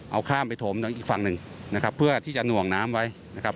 เอาข้ามไปโถมทางอีกฝั่งหนึ่งเพื่อที่จะหน่วงน้ำไว้